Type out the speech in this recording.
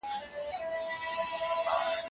ماشومان به د طبیعت په اړه نوري پوښتني هم وکړي.